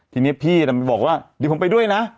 ทีนี้พี่ก็บอกว่าดิผมไปด้วยนะ